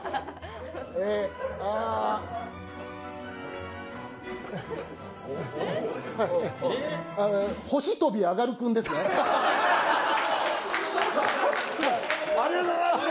えあありがとうございます！